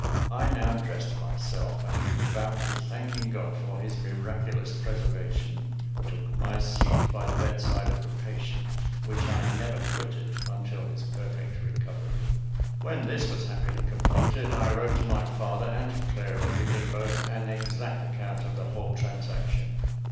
I now dressed myself, and devoutly thanking God for his miraculous preservation, took my seat by the bed side of the patient, which I never quitted until his perfect recovery. When this was happily completed, I wrote to my father and to Clara, giving both an exact account of the whole transaction.